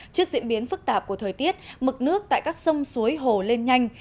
trước diễn biến phức tạp của thời tiết mực nước tại các sông suối hồ lên nhanh